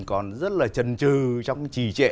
còn rất là trần trừ trong trì trệ